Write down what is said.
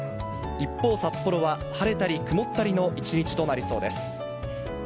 一方、札幌は晴れたり曇ったりの一日となりそうです。